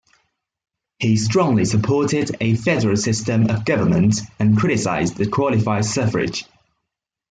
He strongly supported a federal system of government and criticized the qualified suffrage.